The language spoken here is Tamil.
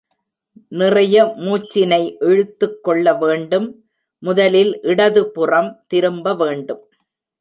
நிறைய மூச்சினை இழுத்துக் கொள்ள வேண்டும் முதலில் இடதுபுறம் திரும்ப வேண்டும்.